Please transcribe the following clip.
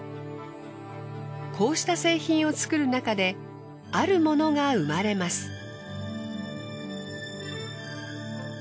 こうした製品をつくるなかであるものが生まれます。